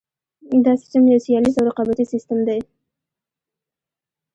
دا سیستم یو سیالیز او رقابتي سیستم دی.